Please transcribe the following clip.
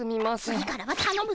次からはたのむぞ！